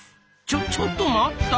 ちょちょっと待った！